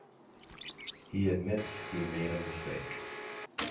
He admits he made a mistake.